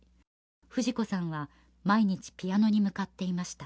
フジコさんは毎日ピアノに向かっていました